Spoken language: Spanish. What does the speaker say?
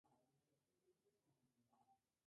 La sede de la parroquia es Mansfield.